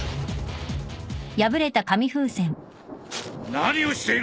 何をしている！